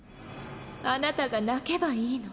あなたが泣けばいいの。